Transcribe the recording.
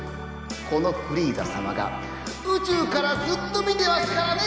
このフリーザさまが宇宙からずっと見てますからね！